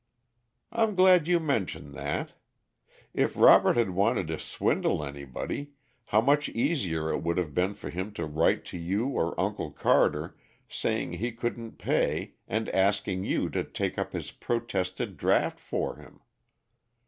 "I'm glad you mentioned that. If Robert had wanted to swindle anybody, how much easier it would have been for him to write to you or Uncle Carter, saying he couldn't pay and asking you to take up his protested draft for him.